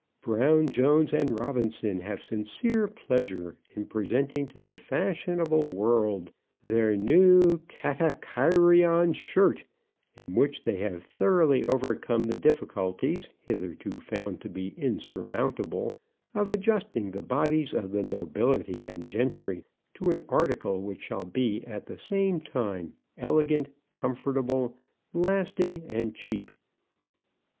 BROWN, JONES, AND ROBINSON have sincere pleasure in presenting to the Fashionable World their new KATAKAIRION SHIRT, in which they have thoroughly overcome the difficulties, hitherto found to be insurmountable, of adjusting the bodies of the Nobility and Gentry to an article which shall be at the same time elegant, comfortable, lasting, and cheap.